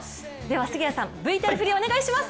杉谷さん、ＶＴＲ振りをお願いします。